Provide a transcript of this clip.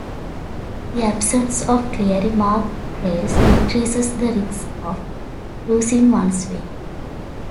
The absence of clearly marked trails increases the risk of losing one's way.